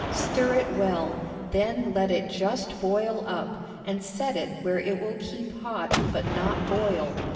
Stir it well; then let it just boil up, and set it where it will keep hot, but not boil.